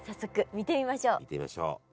見てみましょう。